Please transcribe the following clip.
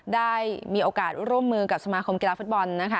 ได้มีโอกาสร่วมมือกับสมาคมกีฬาฟุตบอลนะคะ